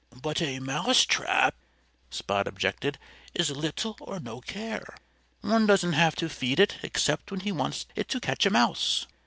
"But a mousetrap," Spot objected, "is little or no care. One doesn't have to feed it except when he wants it to catch a mouse.